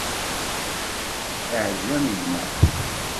Iεǧeb-am gma?